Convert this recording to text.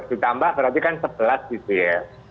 ditambah berarti kan sebelas gitu ya